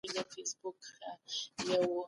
موږ دوستي پالو.